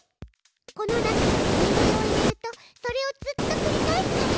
この中に命令を入れるとそれをずっとくり返すから。